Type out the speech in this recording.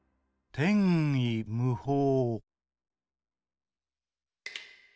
「てんいむほう」。